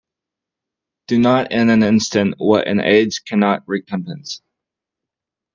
Do not in an instant what an age cannot recompense.